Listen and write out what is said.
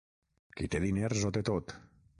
Qui té diners ho té tot.